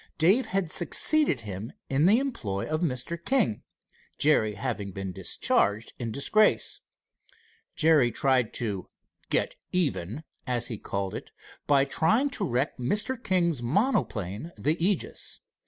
Dave had succeeded him in the employ of Mr. King, Jerry having been discharged in disgrace. Jerry tried to "get even," as he called it, by trying to wreck Mr. King's monoplane, the Aegis.